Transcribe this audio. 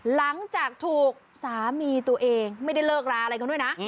หลังจากถูกสามีตัวเองไม่ได้เลิกราอะไรกันด้วยนะ